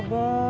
bisa gak tau